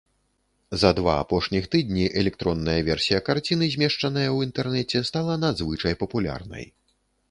За два апошніх тыдні электронная версія карціны, змешчаная ў інтэрнэце, стала надзвычай папулярнай.